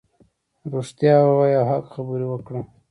رښتیا ووایه او حق خبرې وکړه .